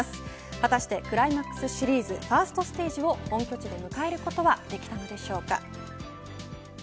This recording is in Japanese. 果たしてクライマックスシリーズファーストステージを本拠地で迎えることはできるのでしょうか。